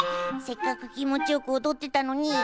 せっかく気もちよくおどってたのに。